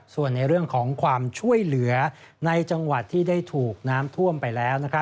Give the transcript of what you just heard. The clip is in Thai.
ส่วนในเรื่องของความช่วยเหลือในจังหวัดที่ได้ถูกน้ำท่วมไปแล้ว